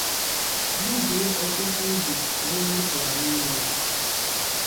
bibie ọtụtụ ubì na ihe a kọrọ na n'ime ya